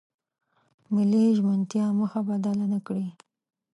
ملي ژمنتیا مخه بدله نکړي.